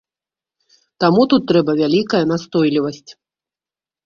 Таму тут трэба вялікая настойлівасць.